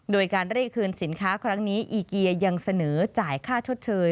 โดยการเรียกคืนสินค้าครั้งนี้อีเกียยังเสนอจ่ายค่าชดเชย